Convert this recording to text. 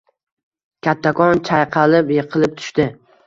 Kattakon chayqalib yiqilib tushdi.